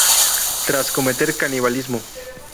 Tras cometer canibalismo.